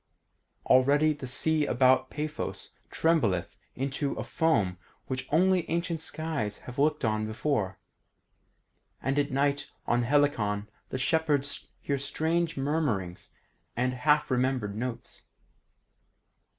Already the sea about Paphos trembleth into a foam which only ancient skies have looked on before, and at night on Helicon the shepherds hear strange murmurings and half remembered notes.